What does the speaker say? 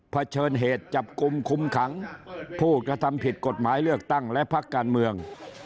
เฉินเหตุจับกลุ่มคุมขังผู้กระทำผิดกฎหมายเลือกตั้งและพักการเมือง